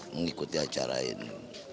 mengikuti acara ini